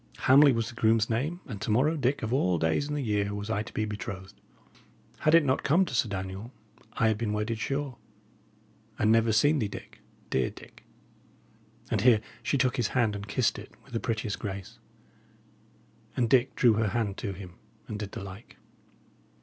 Hamley was the groom's name, and to morrow, Dick, of all days in the year, was I to be betrothed. Had it not come to Sir Daniel, I had been wedded, sure and never seen thee, Dick dear Dick!" And here she took his hand, and kissed it, with the prettiest grace; and Dick drew her hand to him and did the like.